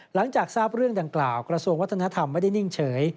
หลังจากทราบเรื่องดังกล่าวกระทรวงวัฒนธรรมไม่ได้นิ่งเฉย